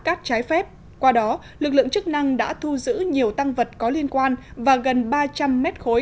cát trái phép qua đó lực lượng chức năng đã thu giữ nhiều tăng vật có liên quan và gần ba trăm linh mét khối